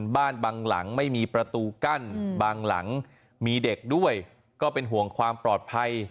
บางหลังไม่มีประตูกั้นบางหลังมีเด็กด้วยก็เป็นห่วงความปลอดภัย